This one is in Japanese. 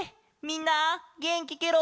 みんなげんきケロ？